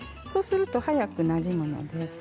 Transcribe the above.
そうすると早くなじみます。